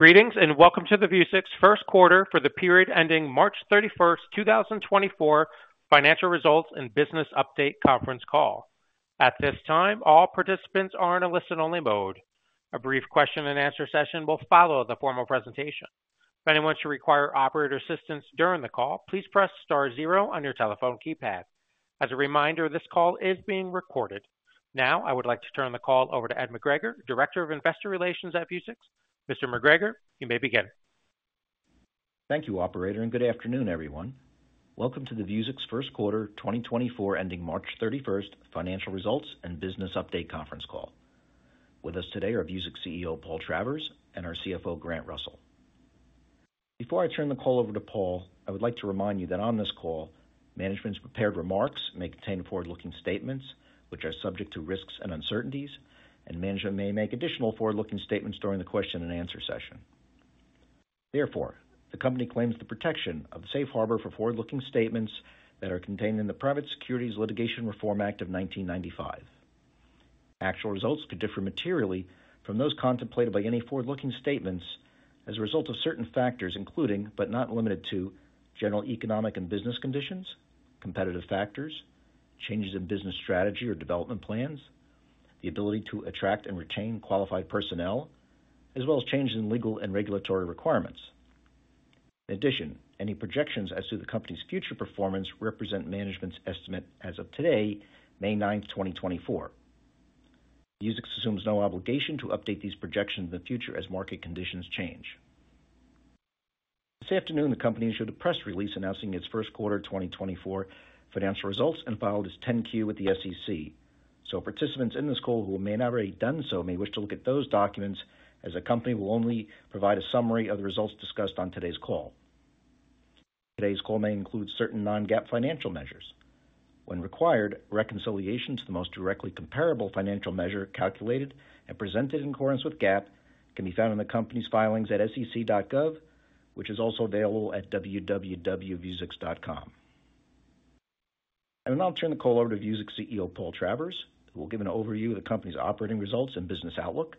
Greetings, and welcome to the Vuzix first quarter for the period ending March 31st, 2024 financial results and business update conference call. At this time, all participants are in a listen-only mode. A brief question and answer session will follow the formal presentation. If anyone should require operator assistance during the call, please press star zero on your telephone keypad. As a reminder, this call is being recorded. Now, I would like to turn the call over to Ed McGregor, Director of Investor Relations at Vuzix. Mr. McGregor, you may begin. Thank you, operator, and good afternoon, everyone. Welcome to the Vuzix first quarter 2024, ending March 31, financial results and business update conference call. With us today are Vuzix CEO, Paul Travers, and our CFO, Grant Russell. Before I turn the call over to Paul, I would like to remind you that on this call, management's prepared remarks may contain forward-looking statements which are subject to risks and uncertainties, and management may make additional forward-looking statements during the question and answer session. Therefore, the company claims the protection of the safe harbor for forward-looking statements that are contained in the Private Securities Litigation Reform Act of 1995. Actual results could differ materially from those contemplated by any forward-looking statements as a result of certain factors, including, but not limited to, general economic and business conditions, competitive factors, changes in business strategy or development plans, the ability to attract and retain qualified personnel, as well as changes in legal and regulatory requirements. In addition, any projections as to the company's future performance represent management's estimate as of today, May 9, 2024. Vuzix assumes no obligation to update these projections in the future as market conditions change. This afternoon, the company issued a press release announcing its first quarter 2024 financial results and filed its 10-Q with the SEC. Participants in this call who may not already done so, may wish to look at those documents, as the company will only provide a summary of the results discussed on today's call. Today's call may include certain non-GAAP financial measures. When required, reconciliation to the most directly comparable financial measure, calculated and presented in accordance with GAAP, can be found in the company's filings at sec.gov, which is also available at www.vuzix.com. I will now turn the call over to Vuzix CEO, Paul Travers, who will give an overview of the company's operating results and business outlook.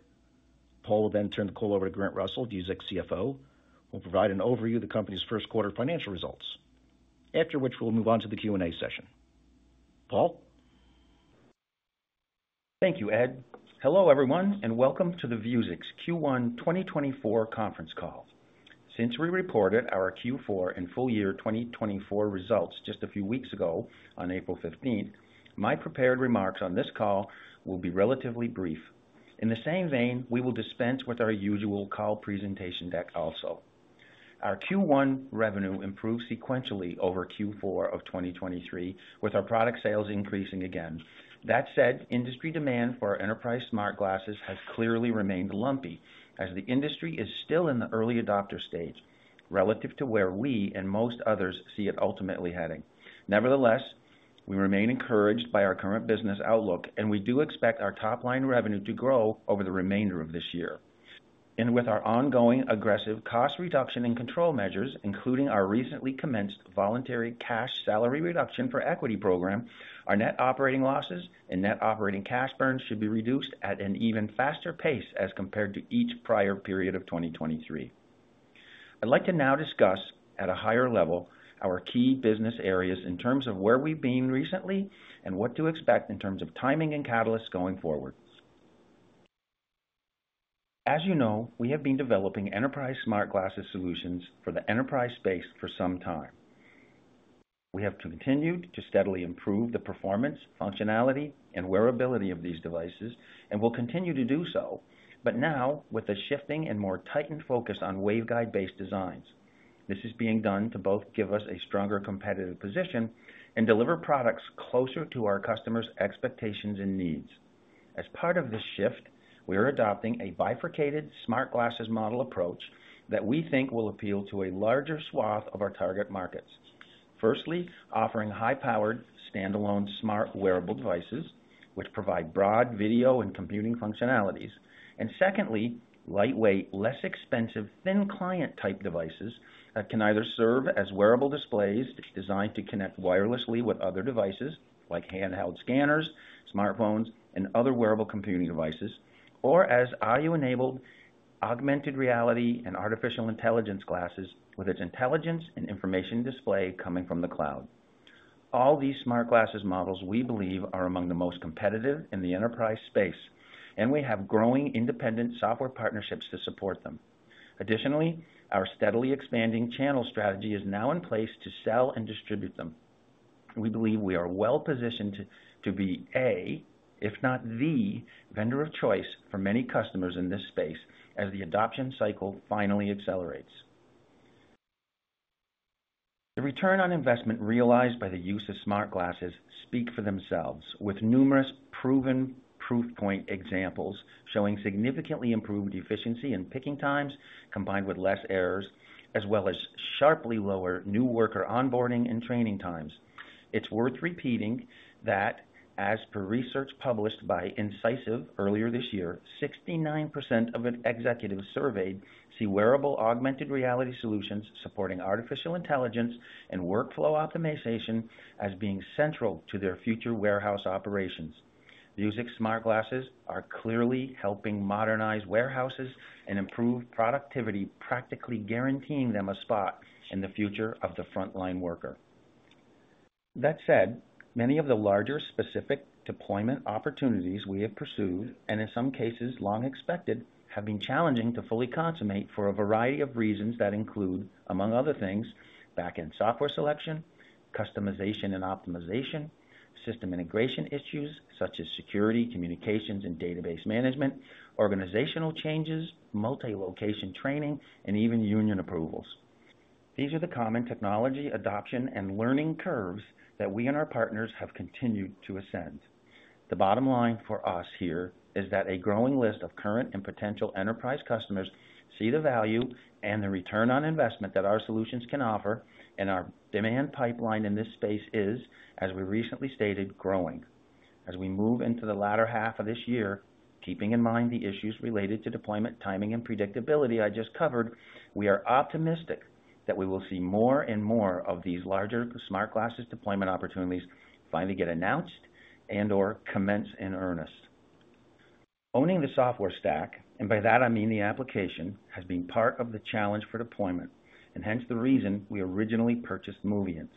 Paul will then turn the call over to Grant Russell, Vuzix CFO, who will provide an overview of the company's first quarter financial results, after which we'll move on to the Q&A session. Paul? Thank you, Ed. Hello, everyone, and welcome to the Vuzix Q1 2024 conference call. Since we reported our Q4 and full-year 2024 results just a few weeks ago, on April 15th, my prepared remarks on this call will be relatively brief. In the same vein, we will dispense with our usual call presentation deck also. Our Q1 revenue improved sequentially over Q4 of 2023, with our product sales increasing again. That said, industry demand for our enterprise smart glasses has clearly remained lumpy as the industry is still in the early adopter stage, relative to where we and most others see it ultimately heading. Nevertheless, we remain encouraged by our current business outlook, and we do expect our top-line revenue to grow over the remainder of this year. And with our ongoing aggressive cost reduction and control measures, including our recently commenced voluntary cash salary reduction for equity program, our net operating losses and net operating cash burns should be reduced at an even faster pace as compared to each prior period of 2023. I'd like to now discuss, at a higher level, our key business areas in terms of where we've been recently and what to expect in terms of timing and catalysts going forward. As you know, we have been developing enterprise smart glasses solutions for the enterprise space for some time. We have continued to steadily improve the performance, functionality, and wearability of these devices, and will continue to do so, but now with a shifting and more tightened focus on waveguide-based designs. This is being done to both give us a stronger competitive position and deliver products closer to our customers' expectations and needs. As part of this shift, we are adopting a bifurcated smart glasses model approach that we think will appeal to a larger swath of our target markets. Firstly, offering high-powered, standalone, smart wearable devices, which provide broad video and computing functionalities, and secondly, lightweight, less expensive, thin client type devices that can either serve as wearable displays, which are designed to connect wirelessly with other devices like handheld scanners, smartphones, and other wearable computing devices, or as audio-enabled, augmented reality and artificial intelligence glasses with its intelligence and information display coming from the cloud. All these smart glasses models, we believe, are among the most competitive in the enterprise space, and we have growing independent software partnerships to support them. Additionally, our steadily expanding channel strategy is now in place to sell and distribute them. We believe we are well positioned to be a, if not the vendor of choice for many customers in this space as the adoption cycle finally accelerates. The return on investment realized by the use of smart glasses speak for themselves, with numerous proven proof point examples showing significantly improved efficiency in picking times, combined with less errors, as well as sharply lower new worker onboarding and training times. It's worth repeating that, as per research published by Incisiv earlier this year, 69% of an executive surveyed see wearable augmented reality solutions supporting artificial intelligence and workflow optimization as being central to their future warehouse operations. Vuzix smart glasses are clearly helping modernize warehouses and improve productivity, practically guaranteeing them a spot in the future of the frontline worker. That said, many of the larger specific deployment opportunities we have pursued, and in some cases long expected, have been challenging to fully consummate for a variety of reasons that include, among other things, back-end software selection, customization and optimization, system integration issues such as security, communications, and database management, organizational changes, multi-location training, and even union approvals. These are the common technology, adoption, and learning curves that we and our partners have continued to ascend. The bottom line for us here is that a growing list of current and potential enterprise customers see the value and the return on investment that our solutions can offer, and our demand pipeline in this space is, as we recently stated, growing. As we move into the latter half of this year, keeping in mind the issues related to deployment, timing, and predictability I just covered, we are optimistic that we will see more and more of these larger smart glasses deployment opportunities finally get announced and/or commence in earnest. Owning the software stack, and by that I mean the application, has been part of the challenge for deployment and hence the reason we originally purchased Moviynt.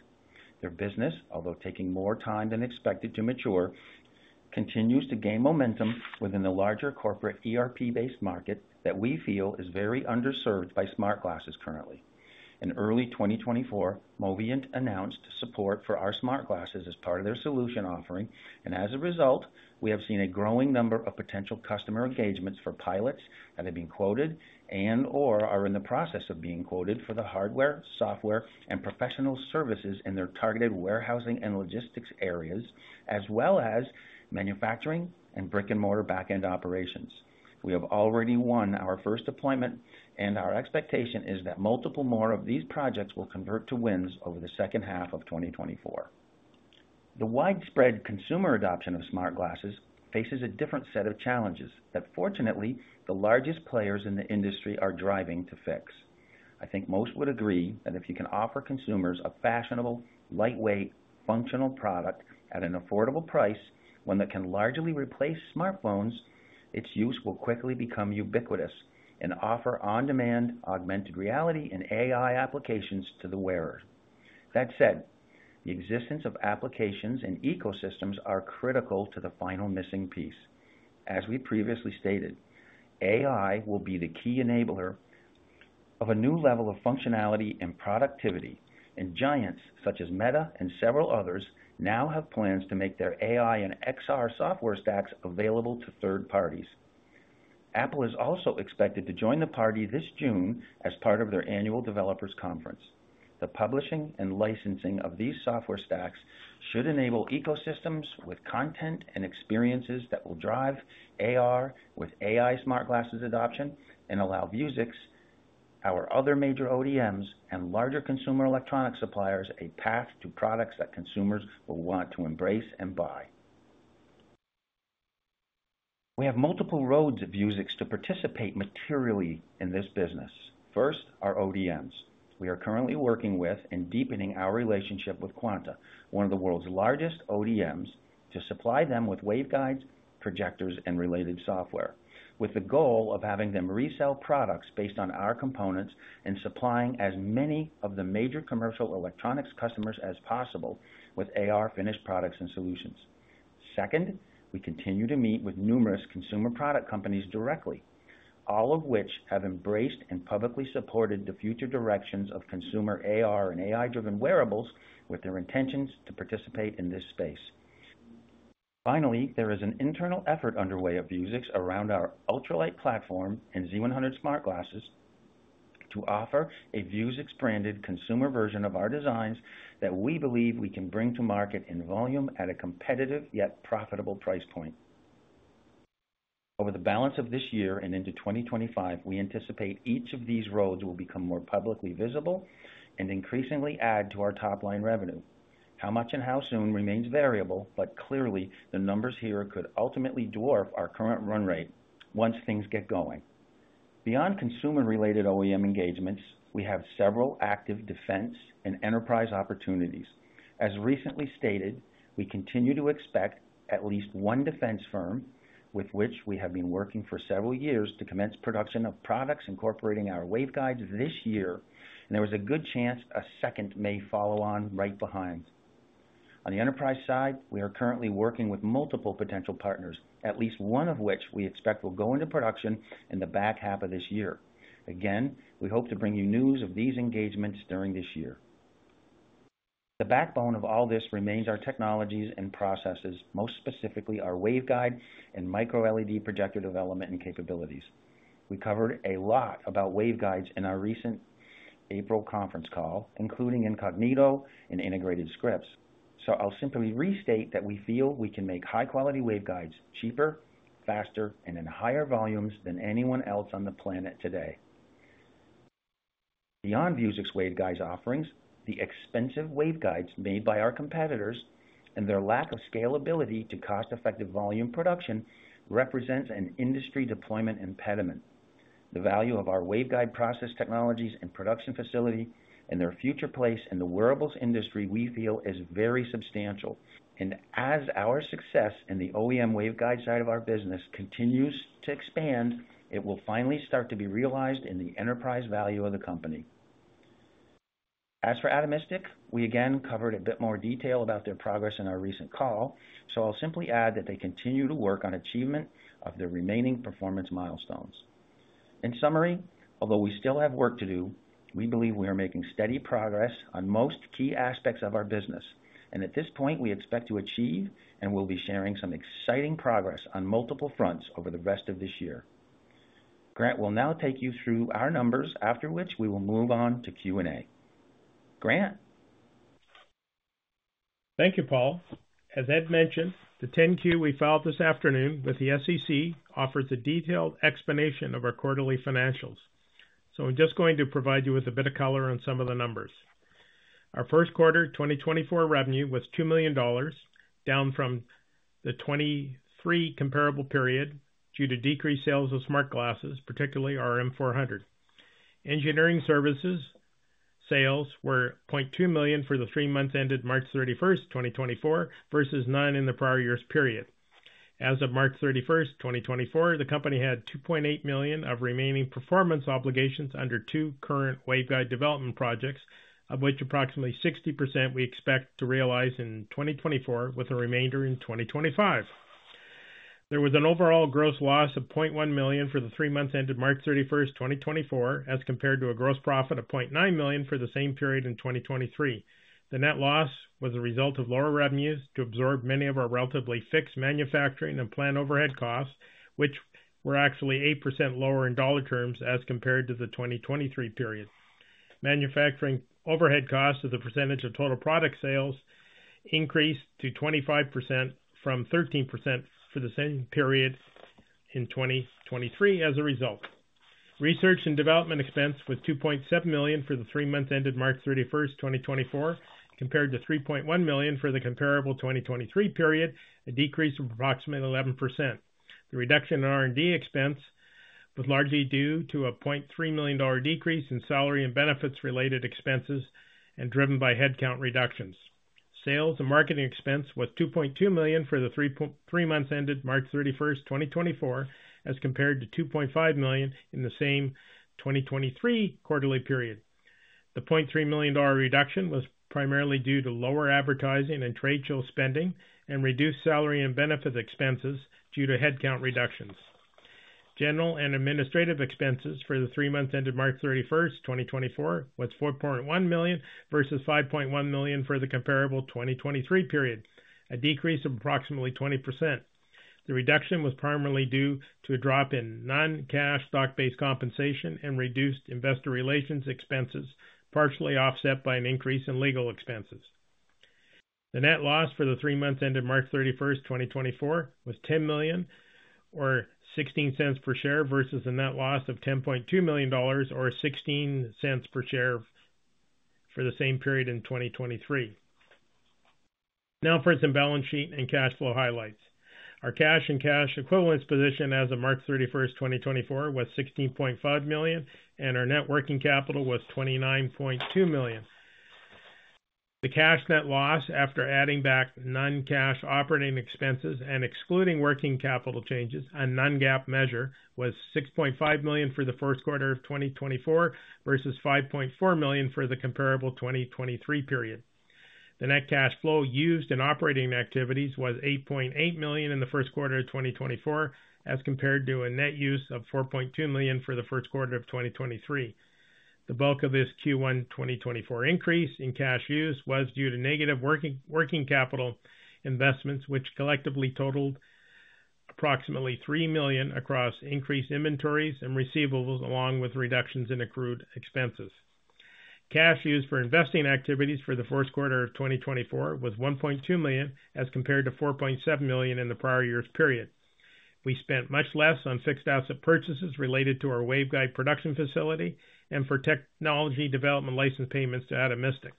Their business, although taking more time than expected to mature, continues to gain momentum within the larger corporate ERP-based market that we feel is very underserved by smart glasses currently. In early 2024, Moviynt announced support for our smart glasses as part of their solution offering, and as a result, we have seen a growing number of potential customer engagements for pilots that have been quoted and/or are in the process of being quoted for the hardware, software, and professional services in their targeted warehousing and logistics areas, as well as manufacturing and brick-and-mortar back-end operations. We have already won our first deployment, and our expectation is that multiple more of these projects will convert to wins over the second half of 2024. The widespread consumer adoption of smart glasses faces a different set of challenges that, fortunately, the largest players in the industry are driving to fix. I think most would agree that if you can offer consumers a fashionable, lightweight, functional product at an affordable price, one that can largely replace smartphones, its use will quickly become ubiquitous and offer on-demand augmented reality and AI applications to the wearer. That said, the existence of applications and ecosystems are critical to the final missing piece. As we previously stated, AI will be the key enabler of a new level of functionality and productivity, and giants such as Meta and several others now have plans to make their AI and XR software stacks available to third parties. Apple is also expected to join the party this June as part of their annual developers conference. The publishing and licensing of these software stacks should enable ecosystems with content and experiences that will drive AR with AI smart glasses adoption and allow Vuzix, our other major ODMs, and larger consumer electronic suppliers, a path to products that consumers will want to embrace and buy. We have multiple roads of Vuzix to participate materially in this business. First, our ODMs. We are currently working with and deepening our relationship with Quanta, one of the world's largest OEMs, to supply them with waveguides, projectors, and related software, with the goal of having them resell products based on our components and supplying as many of the major commercial electronics customers as possible with AR finished products and solutions. Second, we continue to meet with numerous consumer product companies directly, all of which have embraced and publicly supported the future directions of consumer AR and AI-driven wearables with their intentions to participate in this space. Finally, there is an internal effort underway at Vuzix around our Ultralite platform and Z100 smart glasses to offer a Vuzix-branded consumer version of our designs that we believe we can bring to market in volume at a competitive, yet profitable price point. Over the balance of this year and into 2025, we anticipate each of these roads will become more publicly visible and increasingly add to our top-line revenue. How much and how soon remains variable, but clearly, the numbers here could ultimately dwarf our current run rate once things get going. Beyond consumer-related OEM engagements, we have several active defense and enterprise opportunities. As recently stated, we continue to expect at least one defense firm, with which we have been working for several years, to commence production of products incorporating our waveguides this year, and there is a good chance a second may follow on right behind. On the enterprise side, we are currently working with multiple potential partners, at least one of which we expect will go into production in the back half of this year. Again, we hope to bring you news of these engagements during this year. The backbone of all this remains our technologies and processes, most specifically our waveguide and microLED projector development and capabilities. We covered a lot about waveguides in our recent April conference call, including Incognito and integrated scripts. I'll simply restate that we feel we can make high-quality waveguides cheaper, faster, and in higher volumes than anyone else on the planet today. Beyond Vuzix waveguides offerings, the expensive waveguides made by our competitors and their lack of scalability to cost-effective volume production represents an industry deployment impediment. The value of our waveguide process technologies and production facility and their future place in the wearables industry, we feel, is very substantial. As our success in the OEM waveguide side of our business continues to expand, it will finally start to be realized in the enterprise value of the company. As for Atomistic, we again covered a bit more detail about their progress in our recent call, so I'll simply add that they continue to work on achievement of their remaining performance milestones. In summary, although we still have work to do, we believe we are making steady progress on most key aspects of our business, and at this point, we expect to achieve, and we'll be sharing some exciting progress on multiple fronts over the rest of this year. Grant will now take you through our numbers, after which we will move on to Q&A. Grant? Thank you, Paul. As Ed mentioned, the 10-Q we filed this afternoon with the SEC offers a detailed explanation of our quarterly financials. So I'm just going to provide you with a bit of color on some of the numbers. Our first quarter 2024 revenue was $2 million, down from the 2023 comparable period due to decreased sales of smart glasses, particularly our M400. Engineering services sales were $0.2 million for the three months ended March 31st, 2024, versus none in the prior year's period. As of March 31st, 2024, the company had $2.8 million of remaining performance obligations under two current waveguide development projects, of which approximately 60% we expect to realize in 2024, with the remainder in 2025. There was an overall gross loss of $0.1 million for the three months ended March 31st, 2024, as compared to a gross profit of $0.9 million for the same period in 2023. The net loss was a result of lower revenues to absorb many of our relatively fixed manufacturing and plant overhead costs, which were actually 8% lower in dollar terms as compared to the 2023 period. Manufacturing overhead costs as a percentage of total product sales increased to 25% from 13% for the same period in 2023 as a result. Research and development expense was $2.7 million for the three months ended March 31st, 2024, compared to $3.1 million for the comparable 2023 period, a decrease of approximately 11%. The reduction in R&D expense was largely due to a $0.3 million decrease in salary and benefits-related expenses and driven by headcount reductions. Sales and marketing expense was $2.2 million for the three months ended March 31st, 2024, as compared to $2.5 million in the same 2023 quarterly period. The $0.3 million reduction was primarily due to lower advertising and trade show spending and reduced salary and benefit expenses due to headcount reductions. General and administrative expenses for the three months ended March 31st, 2024, was $4.1 million versus $5.1 million for the comparable 2023 period, a decrease of approximately 20%. The reduction was primarily due to a drop in non-cash stock-based compensation and reduced investor relations expenses, partially offset by an increase in legal expenses. The net loss for the three months ended March 31st, 2024, was $10 million or $0.16 per share, versus a net loss of $10.2 million or $0.16 per share for the same period in 2023. Now for some balance sheet and cash flow highlights. Our cash and cash equivalents position as of March 31st, 2024, was $16.5 million, and our net working capital was $29.2 million. The cash net loss, after adding back non-cash operating expenses and excluding working capital changes on non-GAAP measure, was $6.5 million for the first quarter of 2024 versus $5.4 million for the comparable 2023 period. The net cash flow used in operating activities was $8.8 million in the first quarter of 2024, as compared to a net use of $4.2 million for the first quarter of 2023. The bulk of this Q1 2024 increase in cash use was due to negative working capital investments, which collectively totaled approximately $3 million across increased inventories and receivables, along with reductions in accrued expenses. Cash used for investing activities for the first quarter of 2024 was $1.2 million, as compared to $4.7 million in the prior year's period. We spent much less on fixed asset purchases related to our waveguide production facility and for technology development license payments to Atomistic.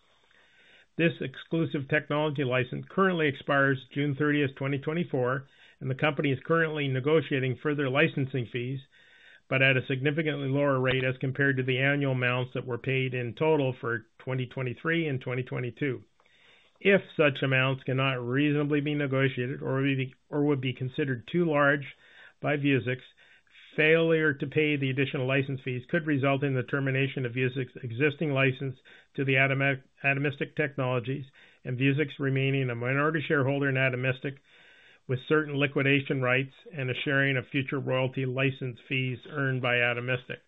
This exclusive technology license currently expires June 30th, 2024, and the company is currently negotiating further licensing fees, but at a significantly lower rate as compared to the annual amounts that were paid in total for 2023 and 2022. If such amounts cannot reasonably be negotiated or would be considered too large by Vuzix, failure to pay the additional license fees could result in the termination of Vuzix's existing license to the Atomistic technologies and Vuzix remaining a minority shareholder in Atomistic, with certain liquidation rights and a sharing of future royalty license fees earned by Atomistic.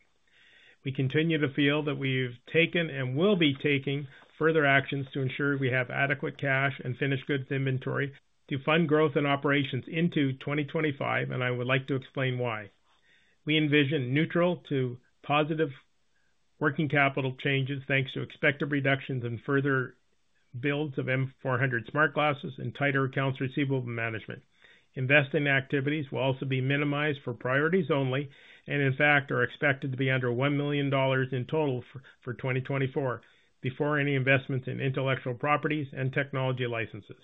We continue to feel that we've taken and will be taking further actions to ensure we have adequate cash and finished goods inventory to fund growth and operations into 2025, and I would like to explain why. We envision neutral to positive working capital changes, thanks to expected reductions in further builds of M400 smart glasses and tighter accounts receivable management. Investing activities will also be minimized for priorities only, and in fact, are expected to be under $1 million in total for 2024, before any investments in intellectual properties and technology licenses.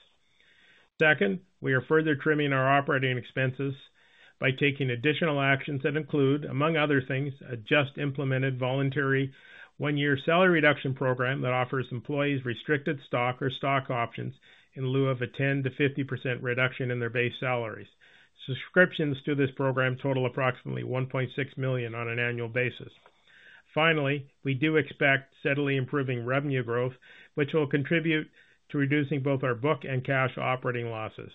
Second, we are further trimming our operating expenses by taking additional actions that include, among other things, a just-implemented voluntary one-year salary reduction program that offers employees restricted stock or stock options in lieu of a 10%-50% reduction in their base salaries. Subscriptions to this program total approximately $1.6 million on an annual basis. Finally, we do expect steadily improving revenue growth, which will contribute to reducing both our book and cash operating losses.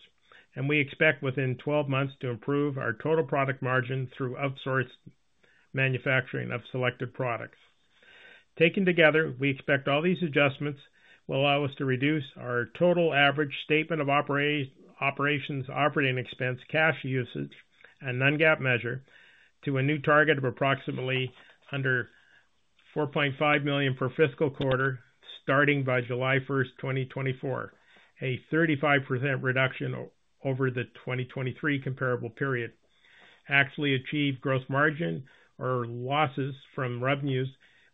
We expect, within 12 months, to improve our total product margin through outsourced manufacturing of selected products. Taken together, we expect all these adjustments will allow us to reduce our total average statement of operations, operating expense, cash usage, and non-GAAP measure to a new target of approximately under $4.5 million per fiscal quarter, starting by July 1st, 2024, a 35% reduction over the 2023 comparable period. Actually, achieved gross margin or losses from revenues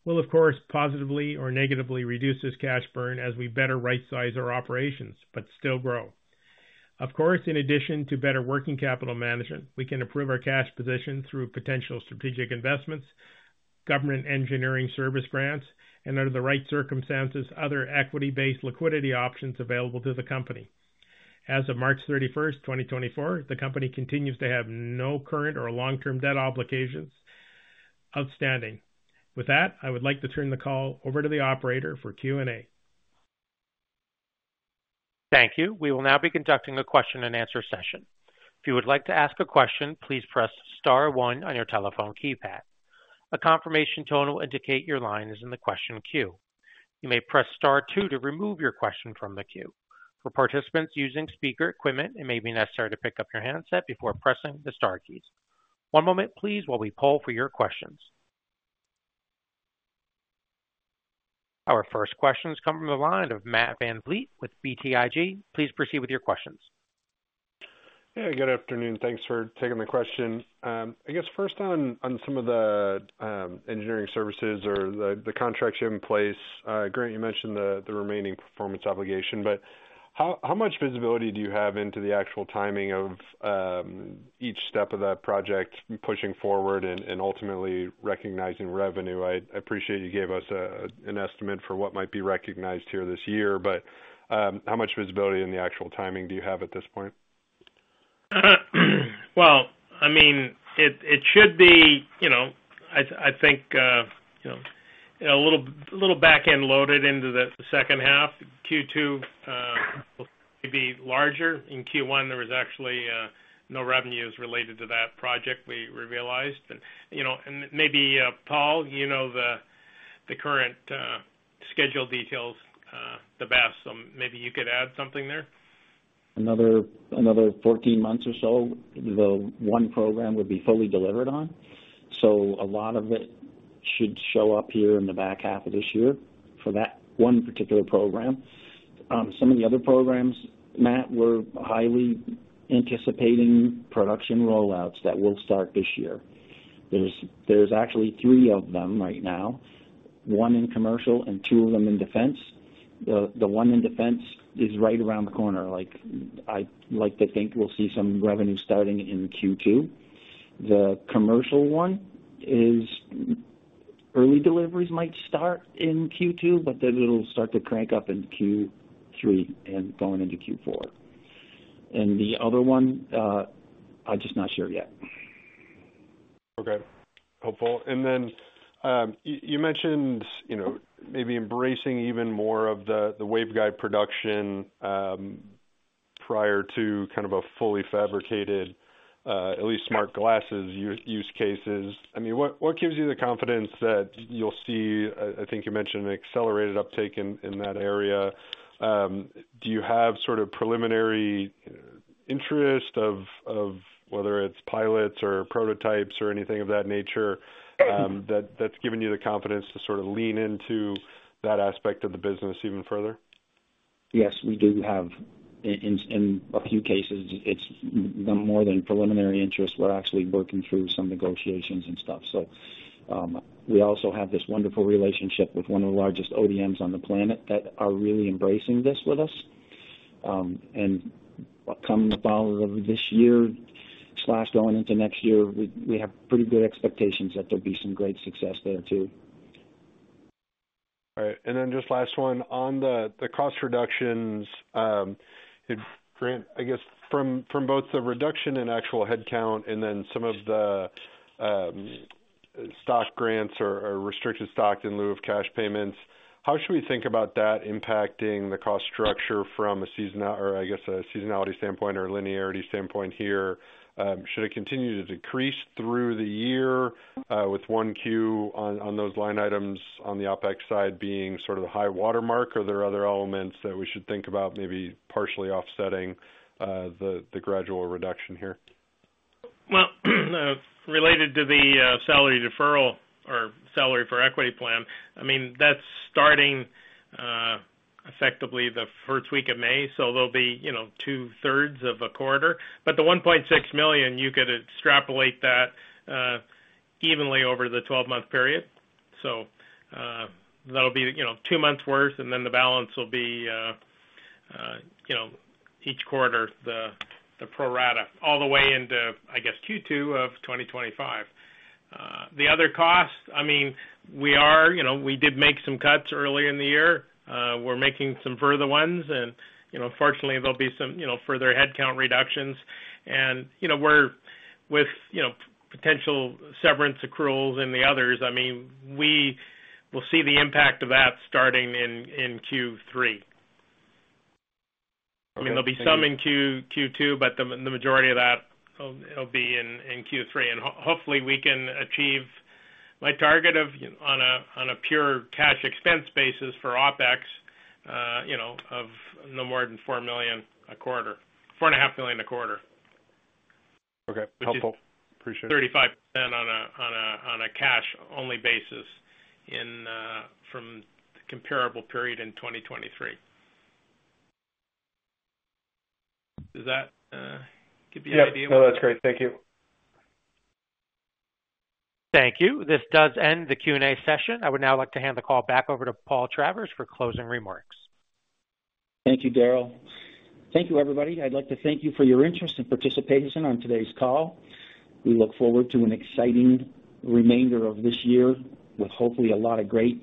will, of course, positively or negatively reduce this cash burn as we better rightsize our operations, but still grow. Of course, in addition to better working capital management, we can improve our cash position through potential strategic investments, government engineering service grants, and under the right circumstances, other equity-based liquidity options available to the company. As of March 31st, 2024, the company continues to have no current or long-term debt obligations outstanding. With that, I would like to turn the call over to the operator for Q&A. Thank you. We will now be conducting a question-and-answer session. If you would like to ask a question, please press star one on your telephone keypad. A confirmation tone will indicate your line is in the question queue. You may press star two to remove your question from the queue. For participants using speaker equipment, it may be necessary to pick up your handset before pressing the star keys. One moment, please, while we poll for your questions. Our first questions come from the line of Matt VanVliet with BTIG. Please proceed with your questions. Yeah, good afternoon. Thanks for taking the question. I guess first on, on some of the, engineering services or the, the contracts you have in place. Grant, you mentioned the, the remaining performance obligation, but how, how much visibility do you have into the actual timing of, each step of that project pushing forward and, and ultimately recognizing revenue? I, I appreciate you gave us, an estimate for what might be recognized here this year, but, how much visibility in the actual timing do you have at this point? Well, I mean, it should be, you know, I think, you know, a little back-end loaded into the second half. Q2 will be larger. In Q1, there was actually no revenues related to that project we realized. And, you know, maybe Paul, you know the current schedule details the best, so maybe you could add something there. Another 14 months or so, the one program would be fully delivered on. So a lot of it should show up here in the back half of this year for that one particular program. Some of the other programs, Matt, we're highly anticipating production rollouts that will start this year. There's actually three of them right now, one in commercial and two of them in defense. The one in defense is right around the corner. Like, I like to think we'll see some revenue starting in Q2. The commercial one is, early deliveries might start in Q2, but then it'll start to crank up in Q3 and going into Q4. And the other one, I'm just not sure yet. Okay. Helpful. And then, you mentioned, you know, maybe embracing even more of the waveguide production, prior to kind of a fully fabricated, at least smart glasses use cases. I mean, what gives you the confidence that you'll see, I think you mentioned an accelerated uptake in that area? Do you have sort of preliminary interest of whether it's pilots or prototypes or anything of that nature, that that's given you the confidence to sort of lean into that aspect of the business even further? Yes, we do have. In a few cases, it's more than preliminary interest. We're actually working through some negotiations and stuff. So, we also have this wonderful relationship with one of the largest ODMs on the planet that are really embracing this with us. And coming the fall of this year, slash, going into next year, we have pretty good expectations that there'll be some great success there, too. All right. And then just last one. On the cost reductions, Grant, I guess from both the reduction in actual headcount and then some of the stock grants or restricted stock in lieu of cash payments, how should we think about that impacting the cost structure from a seasonality standpoint or linearity standpoint here? Should it continue to decrease through the year, with one Q on those line items on the OpEx side being sort of the high watermark? Or are there other elements that we should think about maybe partially offsetting the gradual reduction here? Well, related to the salary deferral or salary for equity plan, I mean, that's starting effectively the first week of May, so there'll be, you know, 2/3 of a quarter. But the $1.6 million, you could extrapolate that evenly over the 12-month period. So that'll be, you know, two months worse, and then the balance will be, you know, each quarter, the pro rata, all the way into, I guess, Q2 of 2025. The other costs, I mean, we are, you know, we did make some cuts early in the year. We're making some further ones, and, you know, fortunately, there'll be some, you know, further headcount reductions. And, you know, we're with, you know, potential severance accruals and the others, I mean, we will see the impact of that starting in Q3. I mean, there'll be some in Q2, but the majority of that, it'll be in Q3, and hopefully, we can achieve my target of, on a pure cash expense basis for OpEx, you know, of no more than $4 million a quarter $4.5 million a quarter. Okay, helpful. Appreciate it. 35% on a cash-only basis from the comparable period in 2023. Does that give you an idea? Yep. No, that's great. Thank you. Thank you. This does end the Q&A session. I would now like to hand the call back over to Paul Travers for closing remarks. Thank you, Daryl. Thank you, everybody. I'd like to thank you for your interest and participation on today's call. We look forward to an exciting remainder of this year, with hopefully a lot of great,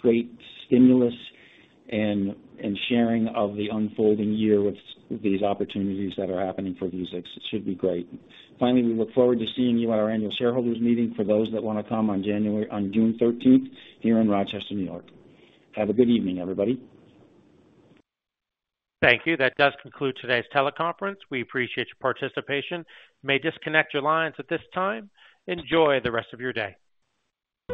great stimulus and, and sharing of the unfolding year with these opportunities that are happening for Vuzix. It should be great. Finally, we look forward to seeing you at our annual shareholders meeting for those that wanna come on January, on June 13th, here in Rochester, New York. Have a good evening, everybody. Thank you. That does conclude today's teleconference. We appreciate your participation. You may disconnect your lines at this time. Enjoy the rest of your day.